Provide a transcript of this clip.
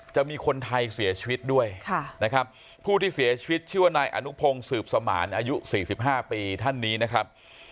จะมีคนไทยเสียชีวิตด้วยนะครับผู้ที่เสียชีวิตชื่อว่านายอนุพงศ์สืบสมานอายุ๔๕ปีท่านนี้นะครับ